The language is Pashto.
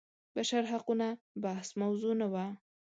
بشر حقونه بحث موضوع نه وه.